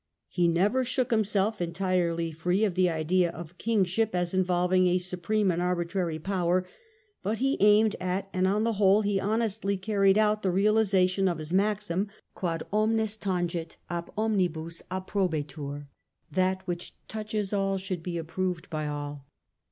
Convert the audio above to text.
He never shook himself entirely free of the idea of kingship as in volving a supreme and arbitrary power, but he aimed at, and on the whole he honestly carried out the realization of his maxim * Quod omnes tangit^ ab omnibus approbetur ' (that which touches all, should be approved by all).